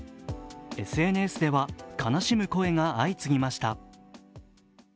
ＳＮＳでは悲しむ声が相次ぎました。